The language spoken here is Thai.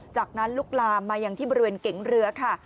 จากนั้นลุกลามมาอย่างที่บริเวณเก๋งเรือค่ะ